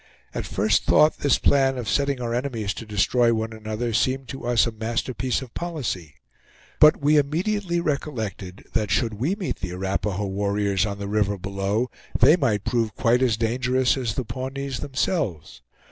At first thought this plan of setting our enemies to destroy one another seemed to us a masterpiece of policy; but we immediately recollected that should we meet the Arapahoe warriors on the river below they might prove quite as dangerous as the Pawnees themselves.